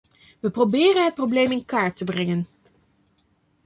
We proberen het probleem in kaart te brengen.